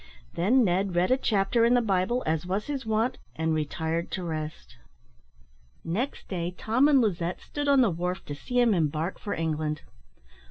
Then Ned read a chapter in the Bible, as was his wont, and retired to rest. Next day Tom and Lizette stood on the wharf to see him embark for England.